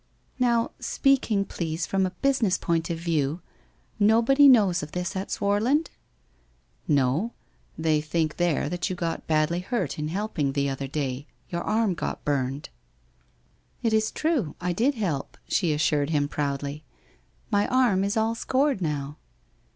' Now, speaking, please, from a business point of view — nobody knows of this at Swarland ?'' No. They think there that you got badly hurt in helping the other day — your arm burned.' WHITE ROSE OF WEARY LEAF 313 ' It is true, I did help/ she assured him proudly. ' My arm is all scored now.'